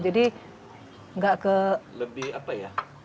lebih apa ya